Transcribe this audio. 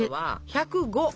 １０５！